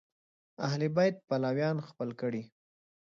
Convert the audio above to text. اهل بیت پلویان خپل کړي